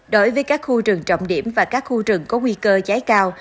đối với các khu rừng trọng điểm và các khu rừng có nguy cơ cháy cao